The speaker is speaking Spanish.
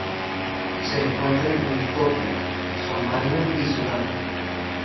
Se encuentra en Etiopía, Somalia y Sudán.